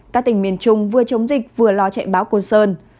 các tỉnh miền trung vừa chống dịch vừa lo chạy báo côn sơn